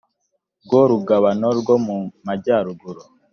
rwo rugabano rwo mu majyaruguru